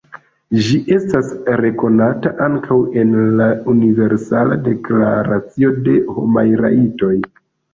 Ĝi estas rekonata ankaŭ en la Universala Deklaracio de Homaj Rajtoj.